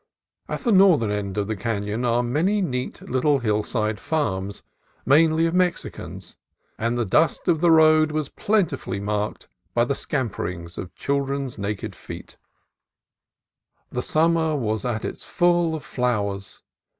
At the northern end of the canon are many neat little hillside farms, mainly of Mexicans, and the dust of the road was plentifully marked by the scamperings of children's naked feet. 58 CALIFORNIA COAST TRAILS The summer was at its full of flowers.